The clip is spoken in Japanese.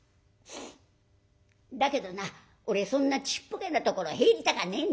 だけどな俺そんなちっぽけなところ入りたかねえんだ。